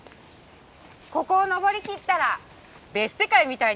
ここを登りきったら別世界みたいになりますのでね